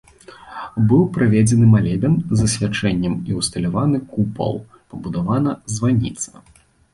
Быў праведзены малебен з асвячэннем і ўсталяваны купал, пабудавана званіца.